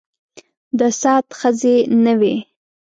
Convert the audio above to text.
د سعد ښځې نه وې.